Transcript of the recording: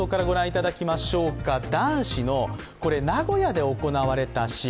名古屋で行われた試合。